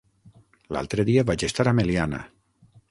L'altre dia vaig estar a Meliana.